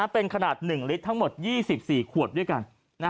เป็นขนาด๑ลิตรทั้งหมด๒๔ขวดด้วยกัน